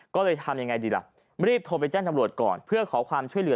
ก็เลยทำยังไงดีล่ะรีบโทรไปแจ้งตำรวจก่อนเพื่อขอความช่วยเหลือ